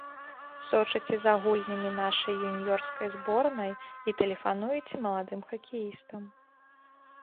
Сочыце за гульнямі нашай юніёрскай зборнай і тэлефануеце маладым хакеістам.